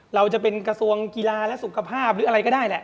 เราจะเป็นกระทรวงกีฬาและสุขภาพหรืออะไรก็ได้แหละ